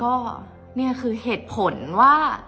เพราะในตอนนั้นดิวต้องอธิบายให้ทุกคนเข้าใจหัวอกดิวด้วยนะว่า